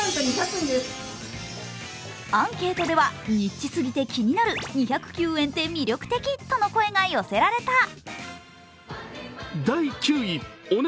アンケートではニッチすぎて気になる、２０９円って魅力的との声が寄せられた。